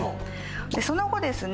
その後ですね